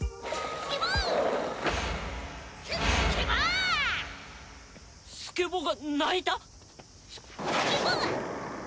スッケボー！